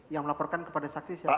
yang melaporkan kepada saksi siapa